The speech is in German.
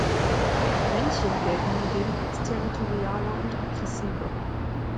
Männchen gelten hingegen als territorialer und aggressiver.